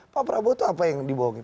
pak prabowo itu apa yang dibohongin